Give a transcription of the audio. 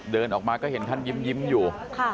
เดินออกมาก็เห็นท่านยิ้มอยู่